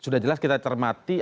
sudah jelas kita cermati